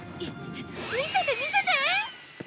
見せて見せて！